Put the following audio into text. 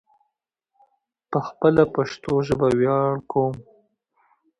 ځه په خپله پشتو ژبه ویاړ کوم